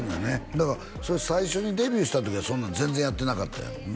だから最初にデビューした時はそんなん全然やってなかったんやろ？